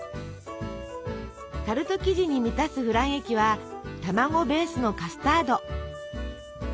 タルト生地に満たすフラン液は卵ベースのカスタード。